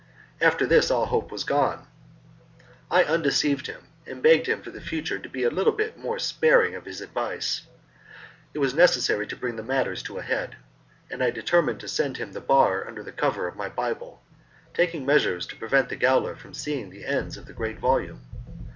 After this, all hope was gone. I undeceived him, and begged him for the future to be a little more sparing of his advice. It was necessary to bring the matter to a head, and I determined to send him the bar under cover of my Bible, taking measures to prevent the gaoler from seeing the ends of the great volume.